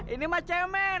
ini mah cemen